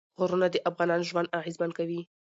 غرونه د افغانانو ژوند اغېزمن کوي.